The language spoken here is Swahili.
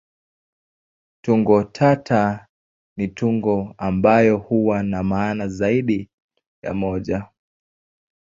Tungo tata ni tungo ambayo huwa na maana zaidi ya moja.